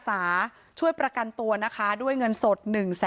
พระเจ้าที่อยู่ในเมืองของพระเจ้า